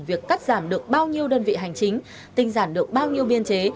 việc cắt giảm được bao nhiêu đơn vị hành chính tinh giản được bao nhiêu biên chế